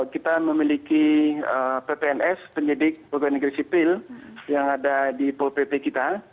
kita memiliki ppns penyidik pekerja negeri sipil yang ada di ppp kita